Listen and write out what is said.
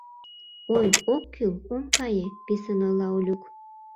— Ой, ок кӱл, ом кае! — писын ойла Олюк.